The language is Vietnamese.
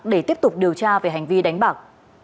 để tiếp tục điều tra về hành vi đánh bạc